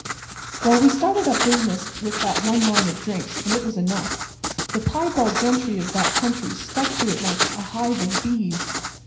"Well, we started up business with that one line of drinks, and it was enough. The piebald gentry of that country stuck to it like a hive of bees.